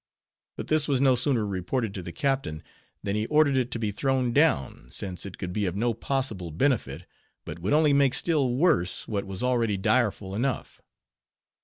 But this was no sooner reported to the captain, than he ordered it to be thrown down; since it could be of no possible benefit; but would only make still worse, what was already direful enough.